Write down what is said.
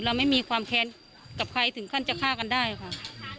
เราไม่มีความแค้นกับใครถึงขั้นจะฆ่ากันได้ค่ะ